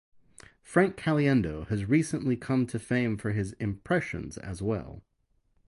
Frank Caliendo has recently come to fame for his impressions as well.